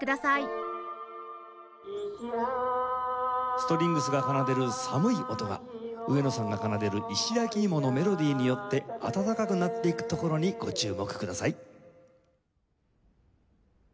ストリングスが奏でる寒い音が上野さんが奏でる『石焼きいも』のメロディーによって温かくなっていくところにご注目ください。